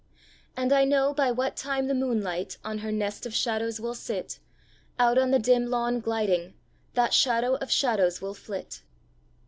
And I know, by what time the moonlight On her nest of shadows will sit, Out on the dim lawn gliding That shadow of shadows will flit.